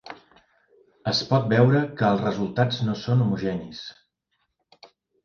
Es pot veure que els resultats no són homogenis.